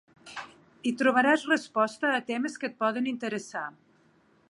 Hi trobaràs resposta a temes que et poden interessar.